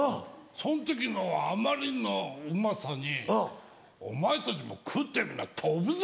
そん時のあまりのうまさに「お前たちも食ってみな飛ぶぞ！」